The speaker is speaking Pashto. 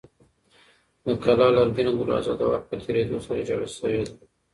د کلا لرګینه دروازه د وخت په تېرېدو سره زړه شوې ده.